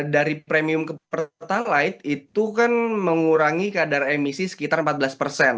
dari premium ke pertalite itu kan mengurangi kadar emisi sekitar empat belas persen